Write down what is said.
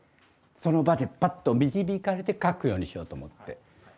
その場でパッと導かれて描くようにしようと思って。